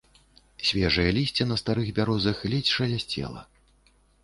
Свежае лісце на старых бярозах ледзь шалясцела.